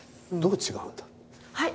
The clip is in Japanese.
はい！